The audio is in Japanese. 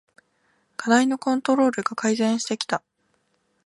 課題のコントロールが改善してきた